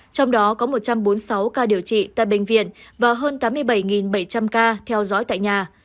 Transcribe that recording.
trong đó có một trăm bốn mươi sáu ca điều trị tại bệnh viện và hơn tám mươi bảy bảy trăm linh ca theo dõi tại nhà